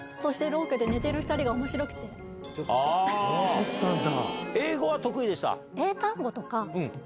撮ったんだ。